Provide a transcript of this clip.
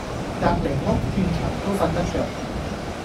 隔離屋鑽牆都瞓得著